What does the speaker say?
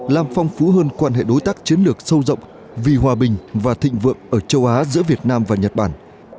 làm phong phú hơn quan hệ đối tác chiến lược sâu rộng vì hòa bình và thịnh vượng ở châu á giữa việt nam và nhật bản